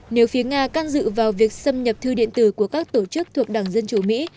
nếu phía nga can dự vào việc xâm nhập thư điện tử của các tổ chức thuộc đảng dân chủ mỹ